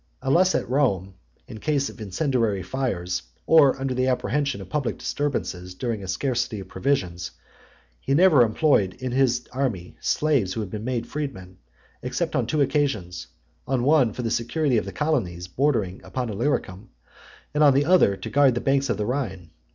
Unless at Rome, in case of incendiary fires, or under the apprehension of public disturbances during a scarcity of provisions, he never employed in his army slaves who had been made freedmen, except upon two occasions; on one, for the security of the colonies bordering upon Illyricum, and on the other, to guard (88) the banks of the river Rhine.